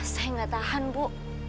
saya gak tahan bu